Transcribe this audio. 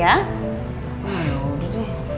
ya udah deh